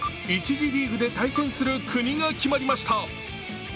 １次リーグで対戦する国が決まりました。